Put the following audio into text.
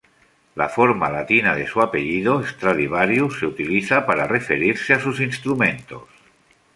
La forma latina de su apellido, Stradivarius, se utiliza para referirse a sus instrumentos.